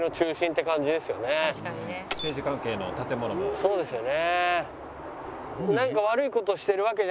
そうですよね。